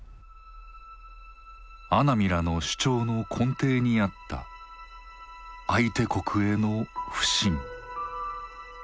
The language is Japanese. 阿南らの主張の根底にあった相手国への不信。